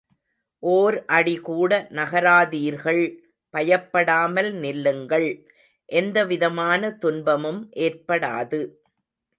ஓர் அடிகூட நகராதீர்கள், பயப்படாமல் நில்லுங்கள், எந்தவிதமான துன்பமும் ஏற்படாது.